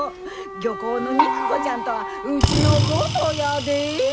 「漁港の肉子」ちゃんとはうちのことやで！